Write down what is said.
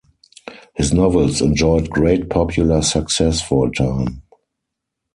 His novels enjoyed great popular success for a time.